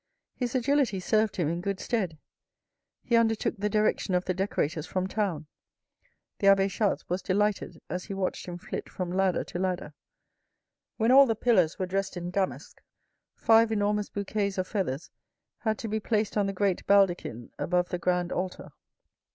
His agility served him in good stead. He undertook the direction of the decorators from town. The Abbe Chas was delighted as he watched him flit from ladder to ladder. When all the pillars were dressed in damask, five enormous bouquets of feathers had to be placed on the great baldachin above the grand altar.